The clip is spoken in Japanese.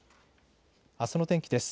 あすの天気です。